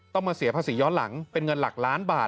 ต้องมาเสียภาษีย้อนหลังเป็นเงินหลักล้านบาท